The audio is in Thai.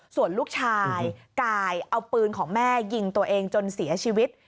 ส่วนลูกชายกายเอาปืนของแม่ยิงตัวเองจนเสียชีวิต